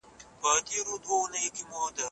که په ښوونځي کې اخلاص وي نو خیانت به نه وي.